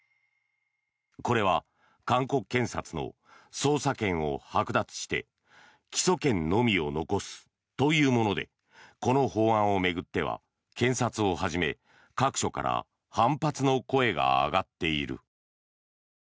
これは韓国検察の捜査権をはく奪して起訴権のみを残すというものでこの法案を巡っては検察をはじめ各所から反発の声が上がっている。